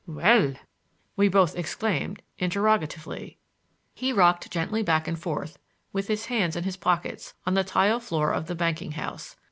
"Well!" we both exclaimed interrogatively. He rocked gently back and forth, with his hands in his pockets, on the tile floor of the banking house.